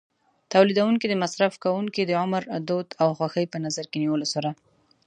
تولیدوونکي د مصرف کوونکو د عمر، دود او خوښۍ په نظر کې نیولو سره.